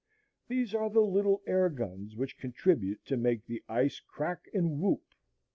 These are the little air guns which contribute to make the ice crack and whoop.